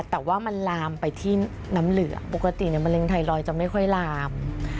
แต่ว่ามันลามไปที่น้ำเหลืองปกติมะเร็งไทรอยด์จะไม่ค่อยลาม